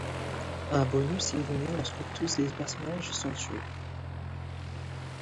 Un bonus est donné lorsque tous ces personnages sont tués.